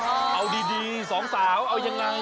เอาดีสองสาวเอายังไง